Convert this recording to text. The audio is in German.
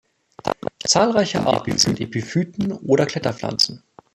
Zahlreiche Arten sind Epiphyten oder Kletterpflanzen.